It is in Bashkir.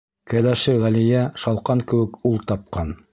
Кәләше Ғәлиә шалҡан кеүек ул тапҡан.